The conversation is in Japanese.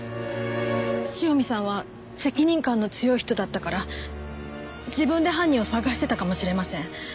塩見さんは責任感の強い人だったから自分で犯人を捜してたかもしれません。